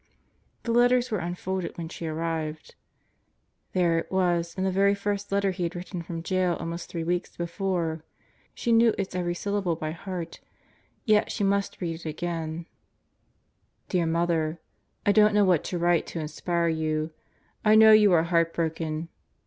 The letters were unfolded when she arrived. There it was in the very first letter he had written from jail almost three weeks before. She knew its every syllable by heart, yet she must read it again: Dear Mother: I don't know what to write to inspire you. I know you are heart broken.